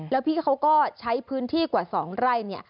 แล้วพี่เขาก็ใช้พื้นที่กว่า๒ไร่เนี่ย